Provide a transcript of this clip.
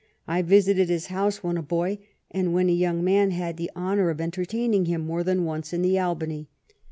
I visited his house when a boy, and when a young man had the honor of entertaining him more than once in the Albany.